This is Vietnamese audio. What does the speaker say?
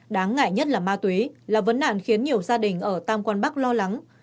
đáng ngại nhất là ma túy là vấn nạn khiến nhiều gia đình ở tam quang bắc lo lắng